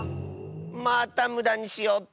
またむだにしおって！